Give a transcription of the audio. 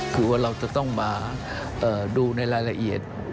ว่าเราจะต้องมาดูละลายละเอียด